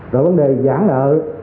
rồi vấn đề giãn nợ